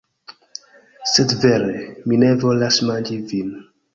Sed vere, mi ne volas manĝi vin.